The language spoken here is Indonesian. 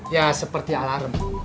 ya seperti alarm